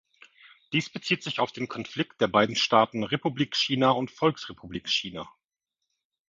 Dies bezieht sich auf den Konflikt der beiden Staaten Republik China und Volksrepublik China.